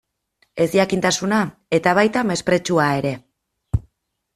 Ezjakintasuna, eta baita mespretxua ere.